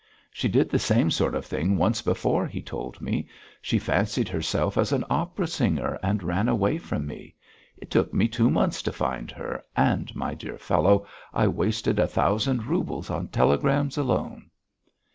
"She did the same sort of thing once before," he told me. "She fancied herself as an opera singer, and ran away from me. It took me two months to find her, and my dear fellow, I wasted a thousand roubles on telegrams alone."